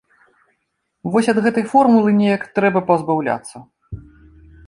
Вось ад гэтай формулы неяк трэба пазбаўляцца.